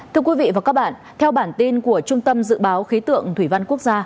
thưa quý vị và các bạn theo bản tin của trung tâm dự báo khí tượng thủy văn quốc gia